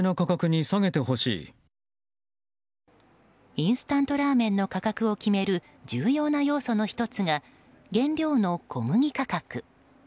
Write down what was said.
インスタントラーメンの価格を決める重要な要素の１つが原料の小麦価格。